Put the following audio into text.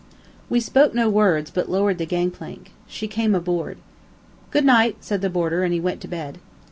We spoke no words, but lowered the gangplank. She came aboard. "Good night!" said the boarder, and he went to bed.